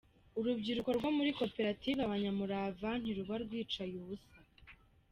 Urubyiruko rwo muri Koperative Abanyamurava ntiruba rwicaye ubusa.